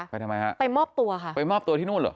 ทำไมฮะไปมอบตัวค่ะไปมอบตัวที่นู่นเหรอ